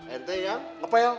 ente yang berhasil